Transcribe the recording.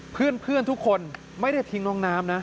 เพื่อนทุกคนไม่ได้ทิ้งน้องน้ำนะ